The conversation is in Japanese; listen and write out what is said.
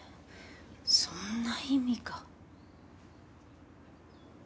そんな意味が。